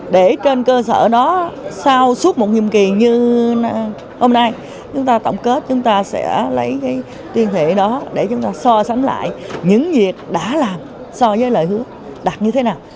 để trên cơ sở đó sau suốt một nhiệm kỳ như hôm nay chúng ta tổng kết chúng ta sẽ lấy cái liên hệ đó để chúng ta so sánh lại những việc đã làm so với lời hứa đạt như thế nào